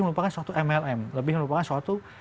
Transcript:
merupakan suatu mlm lebih merupakan suatu